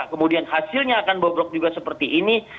kemudian hasilnya akan bobrok juga seperti ini